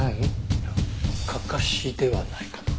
いやカカシではないかと。